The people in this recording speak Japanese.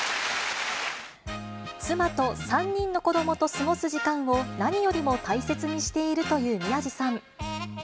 妻と３人の子どもと過ごす時間を、何よりも大切にしているという宮治さん。